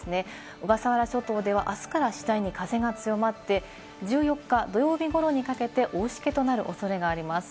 小笠原諸島ではあすから次第に風が強まって１４日、土曜日頃にかけて大しけとなる恐れがあります。